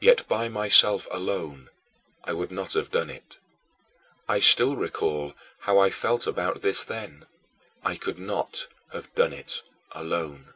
Yet by myself alone I would not have done it I still recall how I felt about this then I could not have done it alone.